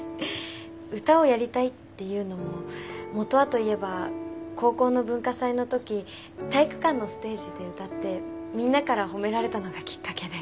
歌をやりたいっていうのも元はと言えば高校の文化祭の時体育館のステージで歌ってみんなから褒められたのがきっかけで。